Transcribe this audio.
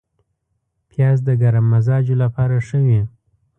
پیاز د ګرم مزاجو لپاره ښه وي